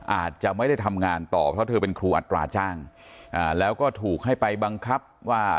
อาจจะไม่ได้ทำงานต่อเพราะเธอเป็นครูอัตราจ้างแล้วก็ถูกให้ไปบังคับว่า